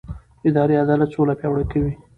اداري عدالت سوله پیاوړې کوي